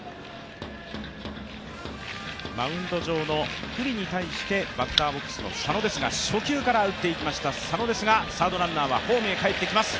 マウンド上の九里に対してバッターボックスの佐野ですが初球から打ってきましたが佐野ですが、サードランナーはホームへ帰ってきます。